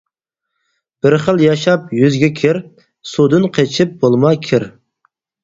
بىر خىل ياشاپ يۈزگە كىر، سۇدىن قېچىپ بولما كىر.